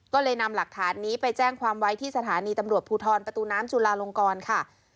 ก็เลยนำหลักฐานนี้ไปแจ้งความไว้ที่สถานีตำรวจภูทรประตูน้ำจุลาลงกรค่ะ